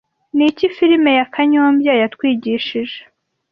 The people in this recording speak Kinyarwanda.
Niki film ya kanyombya yatwigishije